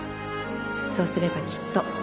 そうすればきっと